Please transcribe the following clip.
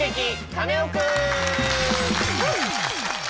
カネオくん」！